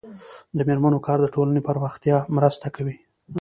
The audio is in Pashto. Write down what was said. د میرمنو کار د ټولنې پراختیا مرسته کوي.